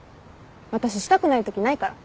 私したくないときないから。